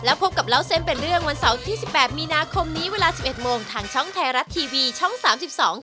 แล้วพบกับเล่าเซ็มเป็นเรื่องวันเสาร์ที่๑๘มีนาคมนี้เวลา๑๑โมงทางช่องไทยรัตน์ทีวีช่อง๓๒